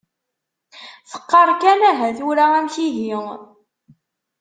Teqqar kan aha tura amek ihi.